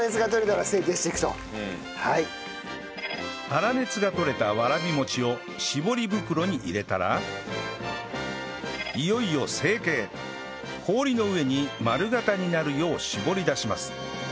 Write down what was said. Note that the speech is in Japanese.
粗熱が取れたわらびもちを絞り袋に入れたらいよいよ成形氷の上に丸形になるよう絞り出します